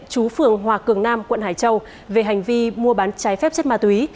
chú phường hòa cường nam quận hải châu về hành vi mua bán trái phép chất ma túy